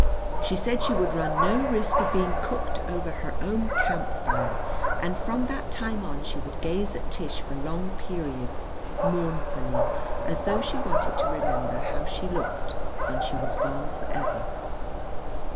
She said she would run no risk of being cooked over her own camp fire; and from that time on she would gaze at Tish for long periods mournfully, as though she wanted to remember how she looked when she was gone forever.